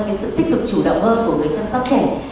cái sự tích cực chủ động hơn của người chăm sóc trẻ